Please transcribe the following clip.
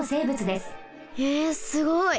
えすごい！